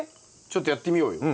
ちょっとやってみようよ。